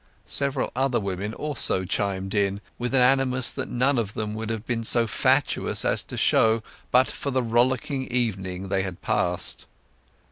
Several other women also chimed in, with an animus which none of them would have been so fatuous as to show but for the rollicking evening they had passed.